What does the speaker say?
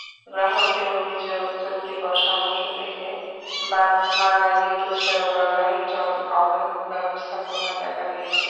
গ্রাহকদের অভিযোগ, চলতি বর্ষা মৌসুম থেকে বাগমারায় বিদ্যুৎ সরবরাহে চরম অব্যবস্থাপনা দেখা দিয়েছে।